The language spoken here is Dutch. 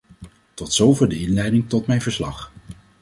Tot zover de inleiding tot mijn verslag.